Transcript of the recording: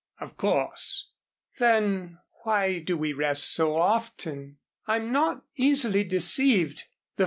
"Of course." "Then why do we rest so often? I'm not easily deceived.